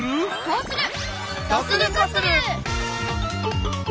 こうする！